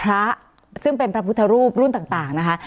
เราไม่พูดถึงกรณีเหรียญพระซึ่งเป็นพระพุทธรูปรุ่นต่างนะคะ